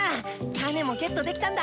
タネもゲットできたんだ！